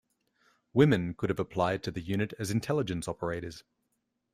Women could have applied to the unit as Intelligence Operators.